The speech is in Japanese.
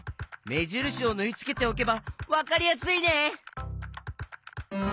めじるしをぬいつけておけばわかりやすいね！